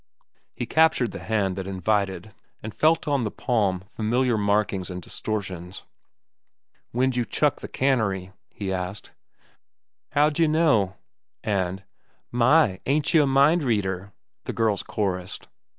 He captured the hand that invited, and felt on the palm familiar markings and distortions. "When'd you chuck the cannery?" he asked. "How'd yeh know?" and, "My, ain't cheh a mind reader!" the girls chorussed.